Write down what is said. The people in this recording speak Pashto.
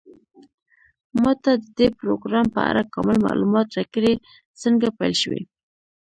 ما ته د دې پروګرام په اړه کامل معلومات راکړئ څنګه پیل شوی